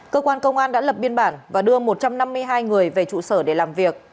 cơ quan công an đã lập biên bản và đưa một trăm năm mươi hai người về trụ sở để làm việc